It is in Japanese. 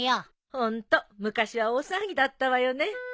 ホント昔は大騒ぎだったわよね。